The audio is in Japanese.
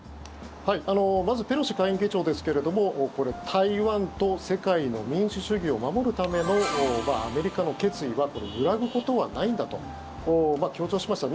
まずペロシ下院議長ですけれども台湾と世界の民主主義を守るためのアメリカの決意は揺らぐことはないんだと強調しました。